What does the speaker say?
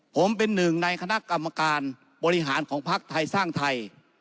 ผมเป็นหนึ่งในคณะกรรมการบริหารของภักดิ์ไทยสร้างไทย